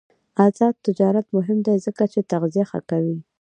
آزاد تجارت مهم دی ځکه چې تغذیه ښه کوي.